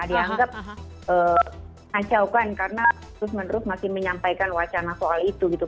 dianggap ancaukan karena terus menerus masih menyampaikan wacana soal itu gitu